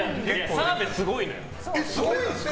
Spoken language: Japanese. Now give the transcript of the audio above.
澤部、すごいのよ。